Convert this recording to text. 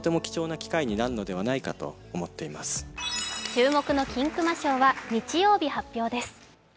注目の金熊賞は日曜日発表です。